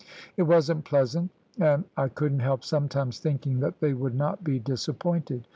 It wasn't pleasant, and I couldn't help sometimes thinking that they would not be disappointed.